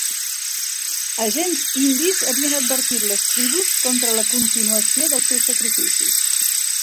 Agents indis havien advertit les tribus contra la continuació dels seus sacrificis.